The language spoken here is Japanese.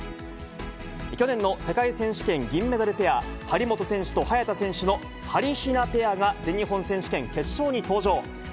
去年の世界選手権銀メダルペア、張本選手と早田選手のはりひなペアが全日本選手権決勝に登場。